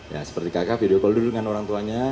ya seperti kakak video call dulu dengan orang tuanya